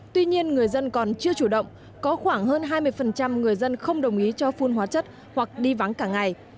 tuy nhiên người dân còn chưa chủ động có khoảng hơn hai mươi người dân không đồng ý cho phun hóa chất hoặc đi vắng cả ngày